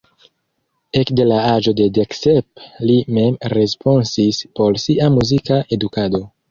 Ekde la aĝo de dek sep li mem responsis por sia muzika edukado.